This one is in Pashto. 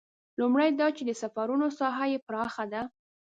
لومړی دا چې د سفرونو ساحه یې پراخه ده.